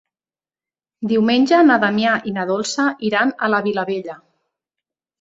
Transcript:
Diumenge na Damià i na Dolça iran a la Vilavella.